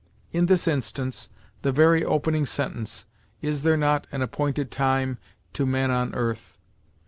In this instance, the very opening sentence "Is there not an appointed time to man on earth?"